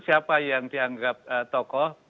siapa yang dianggap tokoh